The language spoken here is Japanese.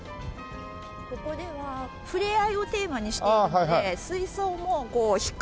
ここでは触れ合いをテーマにしているので水槽もこう低いんですね。